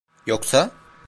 Yoksa?